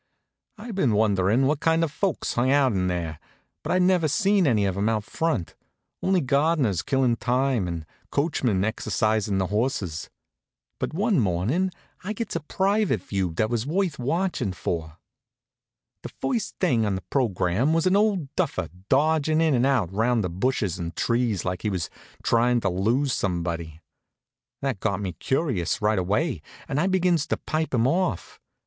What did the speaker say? I'd been wonderin' what kind of folks hung out in there, but I'd never seen any of 'em out front, only gardeners killin' time, and coachmen exercisin' the horses. But one mornin' I gets a private view that was worth watchin' for. The first thing on the program was an old duffer dodgin' in and out around the bushes and trees like he was tryin' to lose somebody. That got me curious right away, and I begins to pipe him off.